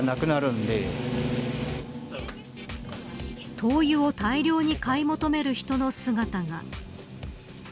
灯油を大量に買い求める人の姿が。